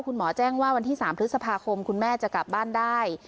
คุณหมอแจ้งว่าวันที่๓พฤษภาคมคุณแม่จะกลับบ้านได้